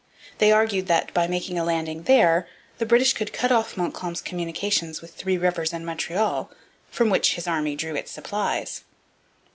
They argued that, by making a landing there, the British could cut off Montcalm's communications with Three Rivers and Montreal, from which his army drew its supplies.